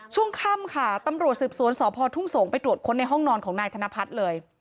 ช่วงค่ำค่ะตำรวจสืบสวนสพทุ่งสงศ์ไปตรวจค้นในห้องนอนของนายธนพัฒน์เลย